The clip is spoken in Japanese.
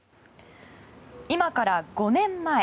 今から５年前。